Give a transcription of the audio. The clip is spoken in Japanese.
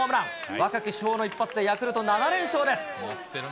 若き主砲の一発でヤクルト７連勝です。